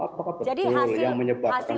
apakah betul yang menyebabkan